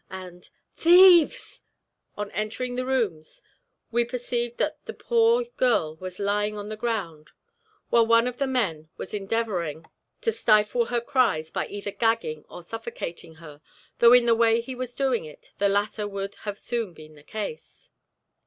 and "Thieves!" On entering the rooms, we perceived that the poor girl was lying on the ground, while one of the men was endeavoring to stifle her cries by either gagging or suffocating her, though in the way he was doing it, the latter would have soon been the case.